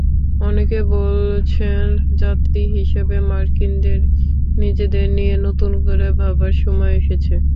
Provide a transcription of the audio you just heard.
অনেকে বলছেন, জাতি হিসেবে মার্কিনদের নিজেদের নিয়ে নতুন করে ভাবার সময় এসেছে।